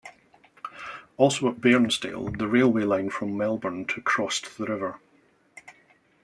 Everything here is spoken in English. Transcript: Also at Bairnsdale, the railway line from Melbourne to crossed the river.